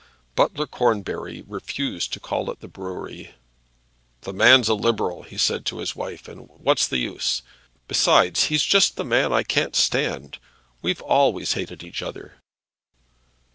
Butler Cornbury refused to call at the brewery. "The man's a liberal," he said to his wife, "and what's the use? Besides he's just the man I can't stand. We've always hated each other."